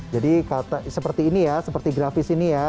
jadi seperti ini ya seperti grafis ini ya